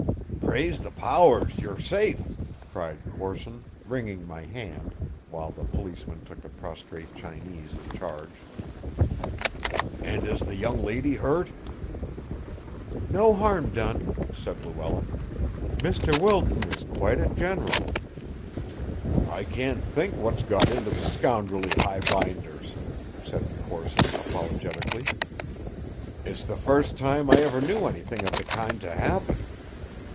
"Praise the powers, you're safe!" cried Corson, wringing my hand, while the policemen took the prostrate Chinese in charge. "And is the young lady hurt?" "No harm done," said Luella. "Mr. Wilton is quite a general." "I can't think what's got into the scoundrelly highbinders," said Corson apologetically. "It's the first time I ever knew anything of the kind to happen."